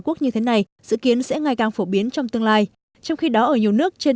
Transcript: quốc như thế này dự kiến sẽ ngày càng phổ biến trong tương lai trong khi đó ở nhiều nước trên